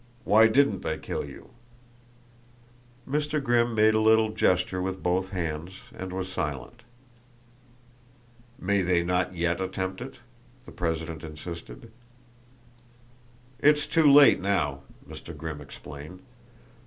Why didn't they kill you?" Mr. Grimm made a little gesture with both hands and was silent. "May they not yet attempt it?" the president insisted. "It's too late now," Mr. Grimm explained.